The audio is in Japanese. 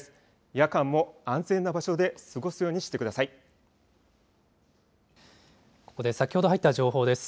夜間も安全な場所で過ごすようにここで先ほど入った情報です。